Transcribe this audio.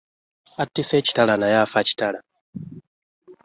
Attisa ekitala naye affe kitala.